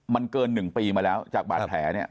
มันเกิน๑ปีมาแล้วจากบาดแผลเนี่ย